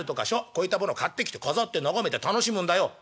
こういったものを買ってきて飾って眺めて楽しむんだよ」。